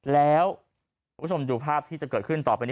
แล้วคุณผู้ชมดูภาพที่จะเกิดขึ้นต่อไปนี้